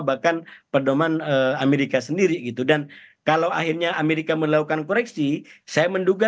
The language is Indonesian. bahkan perdoman amerika sendiri gitu dan kalau akhirnya amerika melakukan koreksi saya menduga